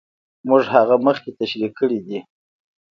موږ هغه مخکې تشرېح کړې دي.